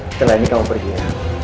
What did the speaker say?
setelah ini kamu pergi ya